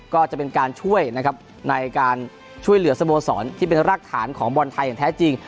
ก็จะเป็นการช่วยนะครับในการช่วยเหลือสโมสรที่เป็นรากฐานของบอลไทยอย่างแท้จริง